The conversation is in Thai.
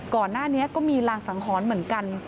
ก่อนหน้านี้ก็มีรางสังหรณ์เหมือนกัน